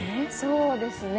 そうですね。